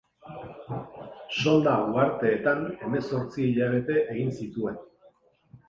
Sonda uharteetan hemezortzi hilabete egin zituen.